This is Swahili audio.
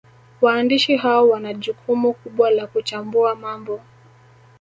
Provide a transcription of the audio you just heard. Waandishi hao wana jukumu kubwa la kuchambua mambo